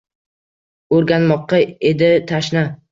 Oʼrganmoqqa edi tashna.